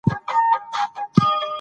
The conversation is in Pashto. شاېد اوس جبار کاکا قهر سوړ شوى وي.